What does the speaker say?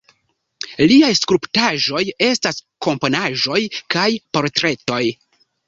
Liaj skulptaĵoj estas komponaĵoj kaj portretoj.